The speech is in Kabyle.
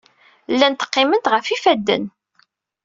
Llant qqiment ɣef yifadden.